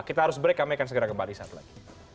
kita harus break kami akan segera kembali saat lagi